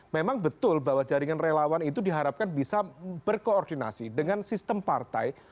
memang betul bahwa jaringan relawan itu diharapkan bisa berkoordinasi dengan sistem partai